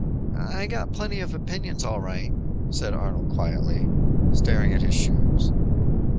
"I got plenty of opinions, all right," said Arnold quietly, staring at his shoes.